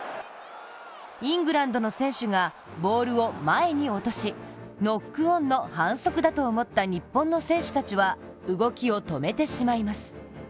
イングランドの選手がボールを前に落としノックオンの反則だと思った日本の選手たちは動きを止めてしまいます。